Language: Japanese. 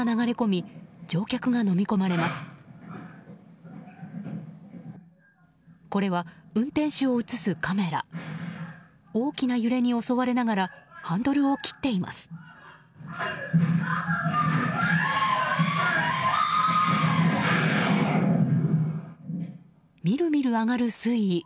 みるみる上がる水位。